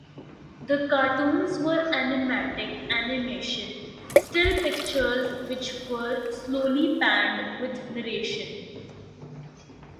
The cartoons were animatic animation, still pictures which were slowly panned, with narration.